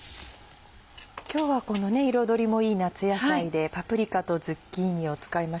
今日はこの彩りもいい夏野菜でパプリカとズッキーニを使いました。